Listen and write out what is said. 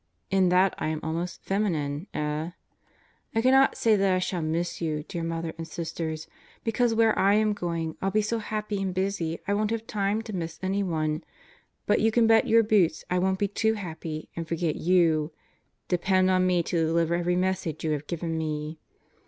In that I am almost "feminine," eh? I cannot say that I shall miss you, dear Mother and Sisters, because where I am going 111 be so happy and busy I won't have time to miss anyone, but you can bet your boots I won't be too happy and forget you, depend on me to deliver every message you have given me.